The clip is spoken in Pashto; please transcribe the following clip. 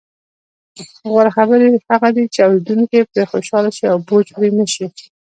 غوره خبرې هغه دي، چې اوریدونکي پرې خوشحاله شي او بوج پرې نه شي.